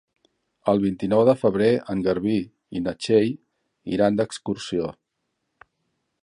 El vint-i-nou de febrer en Garbí i na Txell iran d'excursió.